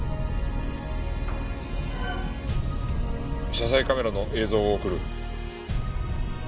車載カメラの映像を送る。